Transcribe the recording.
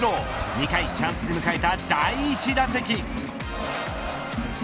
２回チャンスで迎えた第１打席。